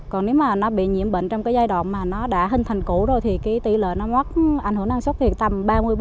còn nếu mà nó bị nhiễm bệnh trong giai đoạn mà nó đã hình thành củ rồi thì tỉ lệ nó mất ảnh hưởng năng suất thì tầm ba mươi bốn mươi